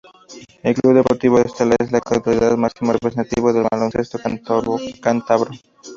El Club Deportivo Estela es en la actualidad el máximo representativo del baloncesto cántabro.